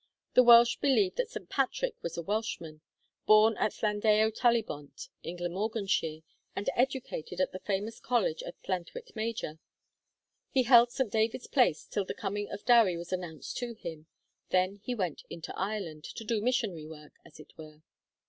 The Welsh believe that St. Patrick was a Welshman. Born at Llandeilo Talybont, in Glamorganshire, and educated at the famous college of Llantwit Major, he held St. David's place till the coming of Dewi was announced to him; then he went into Ireland, to do missionary work, as it were.